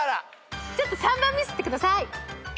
ちょっと３番見せてください。